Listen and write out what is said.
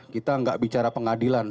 kita enggak bicara pengadilan